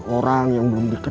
orang yang belum dikenal